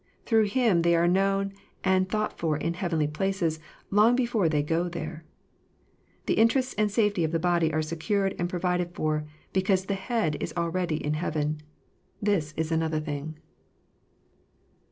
Through Him they are known and thought for in heavenly places, long before they go there. The interests and safety of the body are secured and provided for, because the Head is already in heaven. This is another tliinu